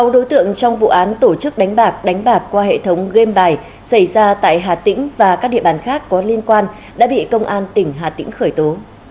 sáu đối tượng trong vụ án tổ chức đánh bạc đánh bạc qua hệ thống game bài xảy ra tại hà tĩnh và các địa bàn khác có liên quan đã bị công an tỉnh hà tĩnh khởi tố